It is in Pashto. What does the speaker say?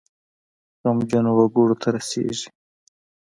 غمجنو وګړو ته رسیږي.